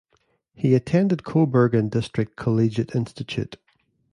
He attended Cobourg and District Collegiate Institute.